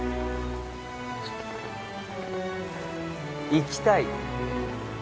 「行きたい」？